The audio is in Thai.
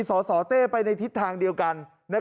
สสเต้ไปในทิศทางเดียวกัน